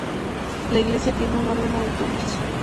La iglesia tiene un órgano de tubos.